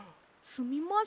すみません。